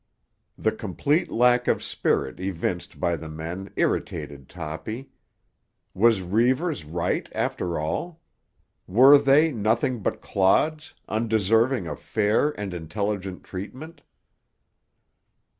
The complete lack of spirit evinced by the men irritated Toppy. Was Reivers right after all? Were they nothing but clods, undeserving of fair and intelligent treatment?